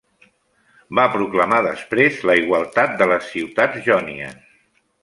Va proclamar després la igualtat de les ciutats jònies.